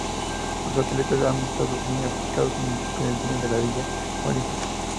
Los atletas han estado muy implicados en el diseño de la Villa Olímpica.